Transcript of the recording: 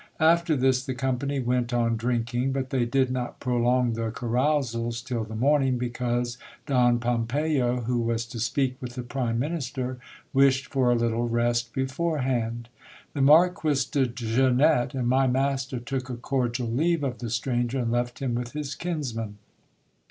After this, the company went on drinking; but they did not prolong their carousals till the morning, because Don Pompeyo, who was to speak with the prime minister, wished for a little rest beforehand. The Marquis de Zenette and my master took a cordial leave of the stranger, and left him with his kinsman.